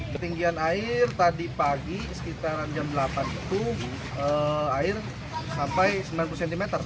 ketinggian air tadi pagi sekitar jam delapan itu air sampai sembilan puluh cm